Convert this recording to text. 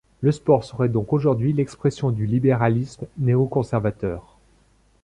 Le sport serait donc aujourd'hui l'expression du libéralisme néo-conservateur.